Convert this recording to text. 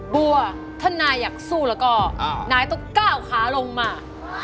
บัวท่านนายอยากสู้แล้วก็นายต้องก้าวขาลงมา